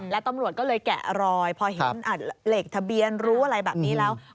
และตำรวจก็เลยแกะรอยพอเห็นเลขทะเบียนรู้อะไรแบบนี้แล้ว